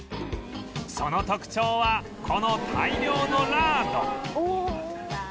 その特徴はこの大量のラード